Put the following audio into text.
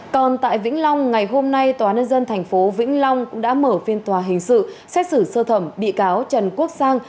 còn tại vĩnh long ngày hôm nay tòa nân dân thành phố vĩnh long cũng đã mở phiên tòa hình sự xét xử sơ thẩm bị cáo trần quốc sang